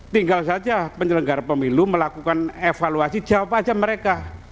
tinggal saja penyelenggara pemilu melakukan evaluasi jawab aja mereka